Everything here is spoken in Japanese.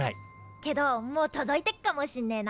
けどもう届いてっかもしんねえな。